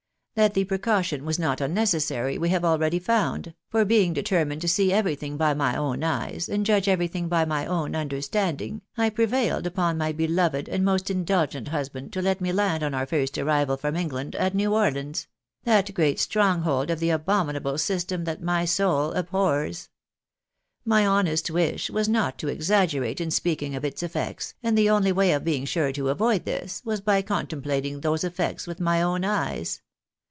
That the precaution was not unnecessary, we have already found ; for, being determined to see everything by my own eyes, and judge everything by my own understanding, I prevailed upon my beloved and most indulgent husband to let me land on our first arrival from England at New Orleans — that great stronghold of the abominable system that my soul abhors. My honest wish was not to exaggerate in speaking of its effects, and the only way of being sure to avoid this, was by contemplating those effects with my own eyes.